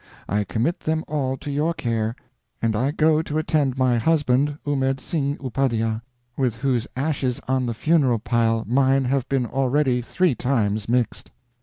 I commit them all to your care, and I go to attend my husband, Ummed Singh Upadhya, with whose ashes on the funeral pile mine have been already three times mixed."